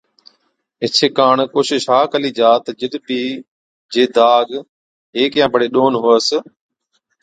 ايڇي ڪاڻ ڪوشش ها ڪلِي جا تہ جِڏ بِي جي داگ هيڪ يان بڙي ڏون هُوَس